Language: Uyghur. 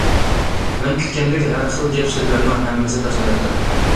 مەن كۈتكەندەك ھەر خىل گەپ سۆزلەرنىڭ ھەممىسى تاشلىنىپتۇ.